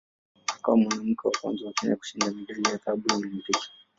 Akawa mwanamke wa kwanza wa Kenya kushinda medali ya dhahabu ya Olimpiki.